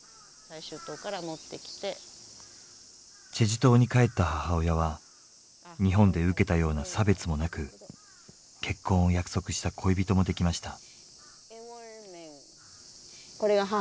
済州島に帰った母親は日本で受けたような差別もなく結婚を約束した恋人もできました。